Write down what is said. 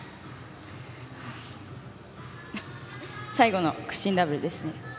最後の屈身ダブルですね。